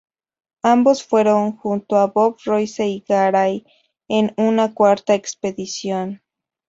Ambos fueron, junto a Bob Royce y Garay, en una cuarta expedición.